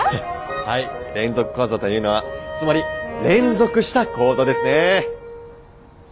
はい連続講座というのはつまり連続した講座ですね。